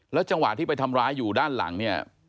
จังหวะที่ไปทำร้ายอยู่ด้านหลังเนี่ย